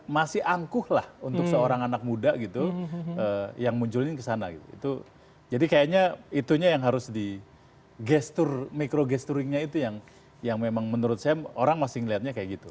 masih angkuh lah untuk seorang anak muda gitu yang munculin kesana gitu jadi kayaknya itunya yang harus di gestur mikrogesturingnya itu yang memang menurut saya orang masih ngeliatnya kayak gitu